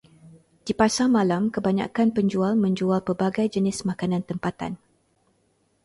Di pasar malam kebanyakan penjual menjual pelbagai jenis makanan tempatan.